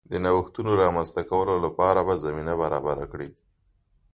د نوښتونو رامنځته کولو لپاره به زمینه برابره کړي